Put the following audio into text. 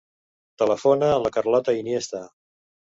Telefona a la Carlota Iniesta.